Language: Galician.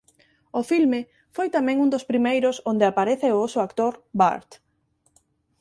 O filme foi tamén un dos primeiros onde aparece o oso actor Bart.